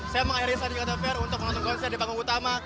saya mengakhiri saat jakarta fair untuk menonton konser di panggung utama